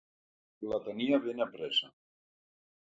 La tenia ben apresa.